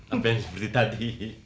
apa yang seperti tadi